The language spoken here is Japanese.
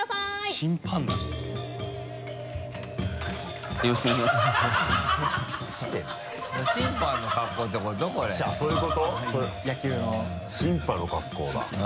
審判の格好だ。